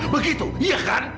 begitu iya kan